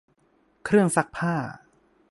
เครื่องซักผ้า